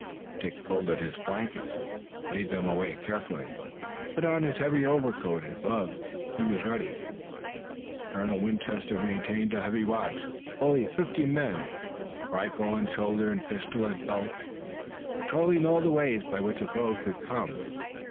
Dick folded his blankets, laid them away carefully, put on his heavy overcoat and gloves, and was ready. Colonel Winchester maintained a heavy watch, knowing its need, fully fifty men, rifle on shoulder and pistol at belt, patrolling all the ways by which a foe could come.